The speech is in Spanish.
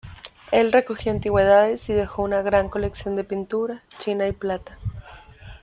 Él recogió antigüedades y dejó una gran colección de pintura, china y plata.